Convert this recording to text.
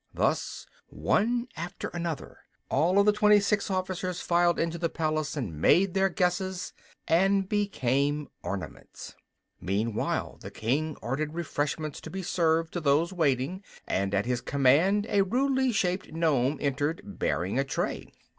Thus, one after another, all of the twenty six officers filed into the palace and made their guesses and became ornaments. Meantime the King ordered refreshments to be served to those waiting, and at his command a rudely shaped Nome entered, bearing a tray.